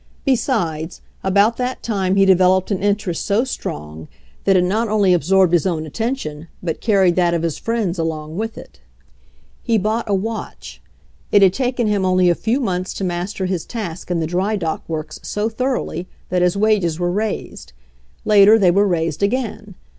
Besides, about that time he de veloped an interest so strong that it not only ab GETTING THE MACHINE IDEA 29 sorbed his own attention, but carried that of his friends along with it. He bought a watch. It had taken him only a few months to master his task in the drydock works so thoroughly that his wages were raised. Later they were raised again.